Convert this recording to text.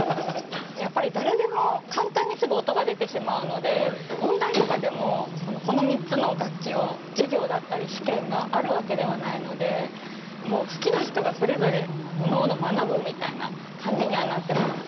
やっぱり誰でも簡単にすぐ音が出てしまうので音大とかでもこの３つの楽器の授業だったり試験があるわけではないのでもう好きな人がそれぞれおのおの学ぶみたいな感じにはなってます。